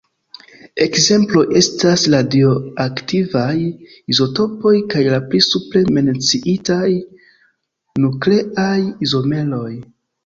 Ekzemploj estas radioaktivaj izotopoj kaj la pli supre menciitaj nukleaj izomeroj.